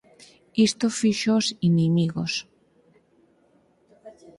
Isto fíxoos inimigos.